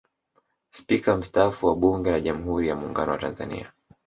Spika mstaafu wa Bunge la Jamhuri ya Muungano wa Tanzania